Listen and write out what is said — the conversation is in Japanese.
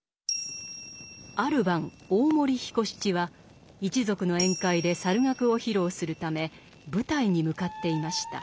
ある晩大森彦七は一族の宴会で猿楽を披露するため舞台に向かっていました。